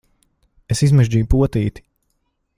Es izmežģīju potīti!